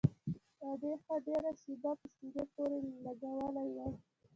ادې ښه ډېره شېبه په سينې پورې لګولى وم.